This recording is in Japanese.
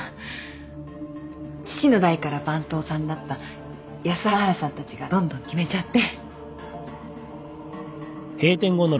父の代から番頭さんだった安原さんたちがどんどん決めちゃって。